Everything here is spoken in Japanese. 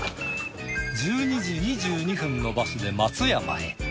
１２時２２分のバスで松山へ。